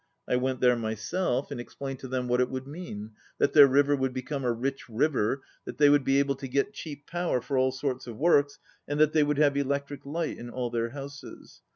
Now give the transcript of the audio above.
I went there myself, and explained to them what it would mean, that their river would become a rich river, that they would be able to get cheap power for all sorts of works, and that they would have electric light in all their houses.